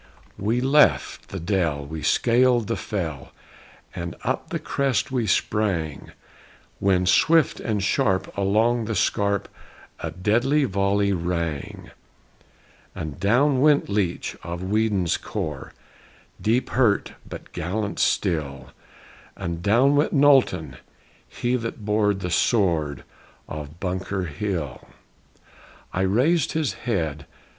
We left the dell, we scaled the fell, And up the crest we sprang, When swift and sharp along the scarp A deadly volley rang; And down went Leitch of Weedon's corps! Deep hurt, but gallant still; And down went Knowlton! he that bore The sword of Bunker Hill. I raised his head.